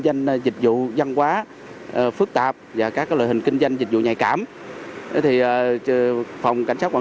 doanh dịch vụ văn hóa phức tạp và các loại hình kinh doanh dịch vụ nhạy cảm thì phòng cảnh sát quản